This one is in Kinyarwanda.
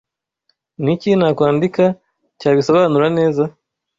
Niki Nakwandika cyabisobanura neza